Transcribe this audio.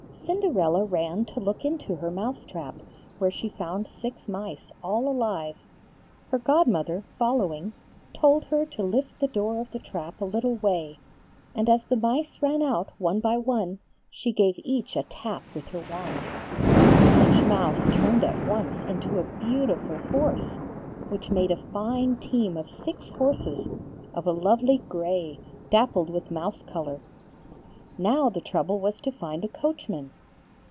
Cinderella ran to look into her mouse trap, where she found six mice all alive. Her godmother, following, told her to lift the door of the trap a little way, and as the mice ran out one by one she gave each a tap with her wand, and each mouse turned at once into a beautiful horse which made a fine team of six horses, of a lovely grey, dappled with mouse colour. Now the trouble was to find a coachman.